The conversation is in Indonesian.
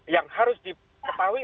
yang harus diketahui